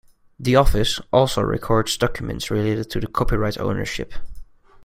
The Office also records documents related to copyright ownership.